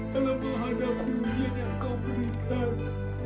dalam menghadapi ujian yang kau berikan